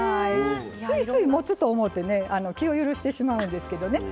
ついついもつと思てね気を許してしまうんですけどね。